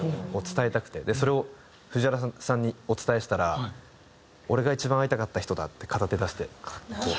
それを藤原さんにお伝えしたら「俺が一番会いたかった人だ」って片手出して。